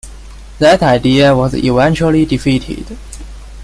That idea was eventually defeated.